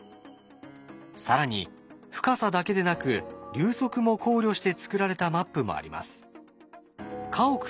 更に深さだけでなく流速も考慮して作られたマップもあります。